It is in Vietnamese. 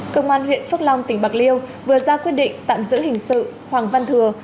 công an huyện phước long tỉnh bạc liêu vừa ra quyết định tạm giữ hình sự hoàng văn thừa